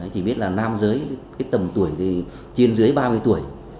chỉ biết là nam giới cái tầm tuổi thì trên dưới ba mươi tuổi